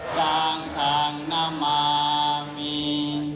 สังทางนามามี